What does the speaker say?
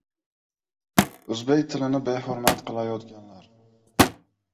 O‘zbek tilini behurmat qilayotganlar